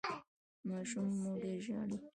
ماشوم مو ډیر ژاړي؟